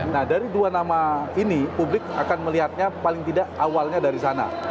nah dari dua nama ini publik akan melihatnya paling tidak awalnya dari sana